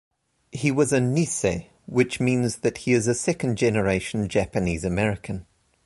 He was a "Nisei", which means that he is a second generation Japanese American.